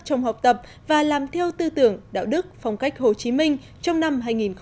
trong học tập và làm theo tư tưởng đạo đức phong cách hồ chí minh trong năm hai nghìn một mươi chín